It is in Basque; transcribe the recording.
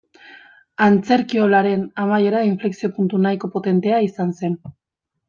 Antzerkiolaren amaiera inflexio-puntu nahiko potentea izan zen.